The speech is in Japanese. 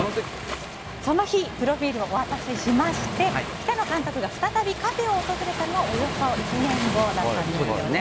その日、プロフィールをお渡ししまして北野監督が再びカフェを訪れたのはおよそ１年後だったんですよね。